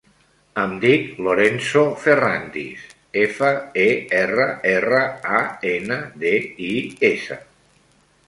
Em dic Lorenzo Ferrandis: efa, e, erra, erra, a, ena, de, i, essa.